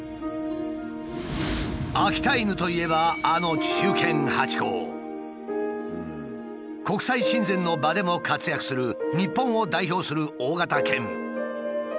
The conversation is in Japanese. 秋田犬といえばあの国際親善の場でも活躍する日本を代表する大型犬。